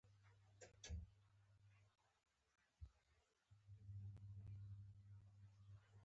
اوس ولاړه شم که وروسته؟ سمه ده، اوس ورشه.